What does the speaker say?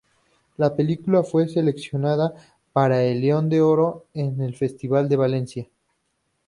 La película fue seleccionada para el León de oro en el Festival de Venecia.